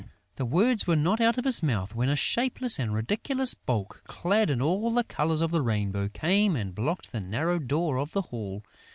] The words were not out of his mouth, when a shapeless and ridiculous bulk, clad in all the colours of the rainbow, came and blocked the narrow door of the hall.